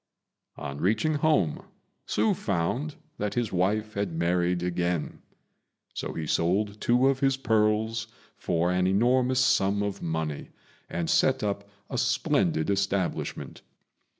On reaching home Hsü found that his wife had married again; so he sold two of his pearls for an enormous sum of money, and set up a splendid establishment.